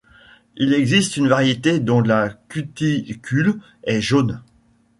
Il existe une variété dont la cuticule est jaune.